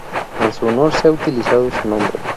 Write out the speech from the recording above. En su honor se ha utilizado su nombre.